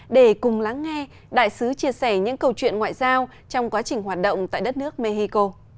để cùng lắng nghe đại sứ chia sẻ những câu chuyện ngoại giao trong quá trình hoạt động tại đất nước mexico